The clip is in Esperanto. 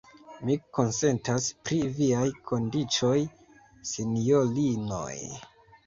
Mi konsentas pri viaj kondiĉoj, sinjorinoj.